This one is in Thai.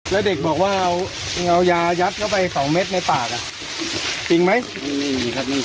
แล้วเด็กบอกว่าเอายายัดเข้าไปสองเม็ดในปากอ่ะจริงไหม